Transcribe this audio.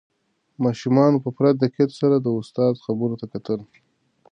ماشومانو په پوره دقت سره د استاد خبرو ته کتل.